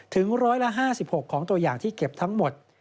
ถึง๑๕๖ของตัวอย่างที่เก็บทั้งหมด